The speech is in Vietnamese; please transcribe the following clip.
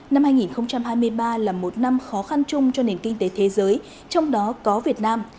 năm hai nghìn hai mươi ba là một năm khó khăn chung cho nền kinh tế thế giới trong đó có việt nam